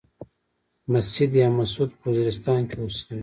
مسيد يا محسود په وزيرستان کې اوسيږي.